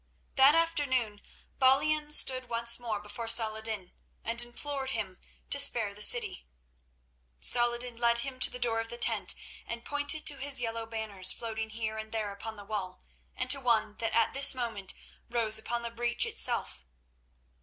That afternoon Balian stood once more before Saladin and implored him to spare the city. Saladin led him to the door of the tent and pointed to his yellow banners floating here and there upon the wall, and to one that at this moment rose upon the breach itself.